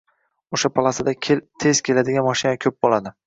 O‘sha palasada tez keladigan mashina ko‘p bo‘ladi.